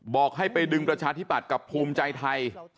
บอกให้ไปดึงประชาธิบัติกับภูมิใจไทย